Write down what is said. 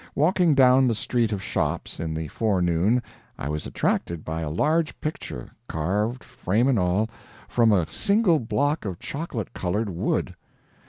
Walking down the street of shops, in the fore noon, I was attracted by a large picture, carved, frame and all, from a single block of chocolate colored wood.